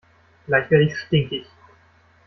Gleich werde ich stinkig!